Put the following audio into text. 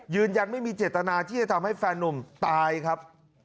ยืนยันไม่มีเจตนาที่จะทำให้แฟนนุ่มตายครับ